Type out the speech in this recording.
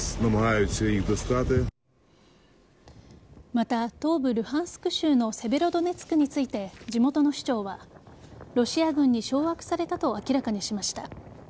また、東部・ルハンスク州のセベロドネツクについて地元の市長はロシア軍に掌握されたと明らかにしました。